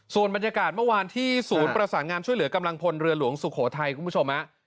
ส่วนบรรยากาศเมื่อวานที่ศูนย์ประสานงามช่วยเหลือกำลังพลเรือหลวงสุโขทัยคุณผู้ชมฮะ